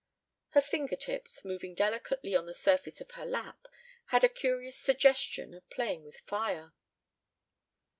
Her fingertips, moving delicately on the surface of her lap, had a curious suggestion of playing with fire.